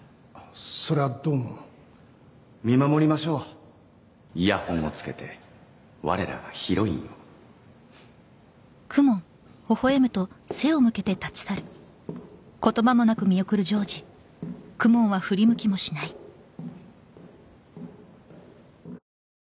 それはどうも見守りましょうイヤホンを着けて我らがヒロインをあら！